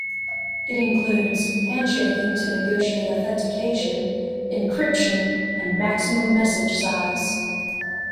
It includes handshaking to negotiate authentication, encryption and maximum message size.